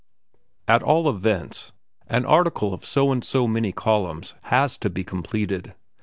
At all events, an article of so and so many columns has to be completed.